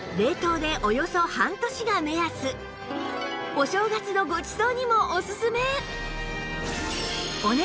お正月のごちそうにもおすすめ！